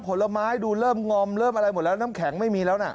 ผลไม้ดูเริ่มงอมเริ่มอะไรหมดแล้วน้ำแข็งไม่มีแล้วนะ